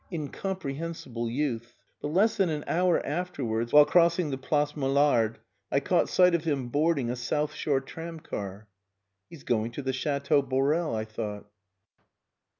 Incomprehensible youth! But less than an hour afterwards, while crossing the Place Mollard, I caught sight of him boarding a South Shore tramcar. "He's going to the Chateau Borel," I thought.